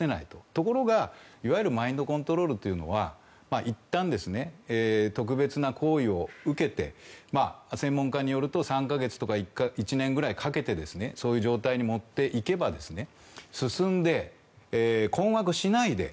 ところが、いわゆるマインドコントロールというのはいったん特別な行為を受けて専門家によると３か月とか１年くらいかけてそういう状態に持っていけば進んで、困惑しないで